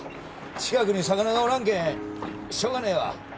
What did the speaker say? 近くに魚がおらんけんしょうがねえわ